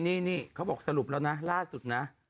นี่เขาบอกสรุปแล้วนะล่าสุดนะ